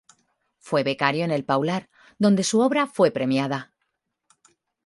Fue becario en El Paular, donde su obra fue premiada.